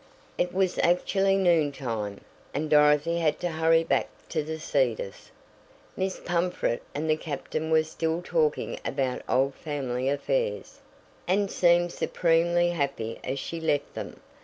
It was actually noon time, and Dorothy had to hurry back to The Cedars. Miss Pumfret and the captain were still talking about old family affairs, and seemed supremely happy as she left them.